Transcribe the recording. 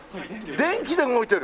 電気で動いてる？